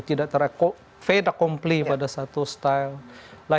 tidak terakui pada satu style